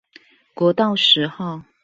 國道十號